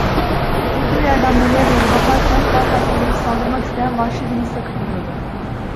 Oturduğu yerden Meleğe doğru bakarken, derhal fırlayıp saldırmak isteyen vahşi bir hisse kapılıyordu.